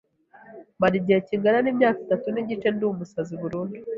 mara igihe kingana n’imyaka itatu n’igice ndi umusazi burundu